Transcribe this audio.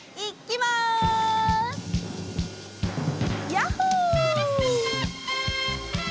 やっほー！